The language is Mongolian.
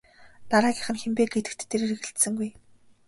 Дараагийнх нь хэн бэ гэдэгт тэр эргэлзсэнгүй.